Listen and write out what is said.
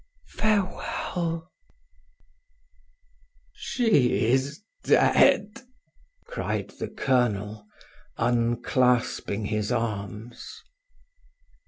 farewell!" "She is dead!" cried the colonel, unclasping his arms.